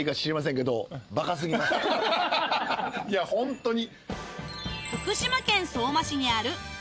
いやホントに。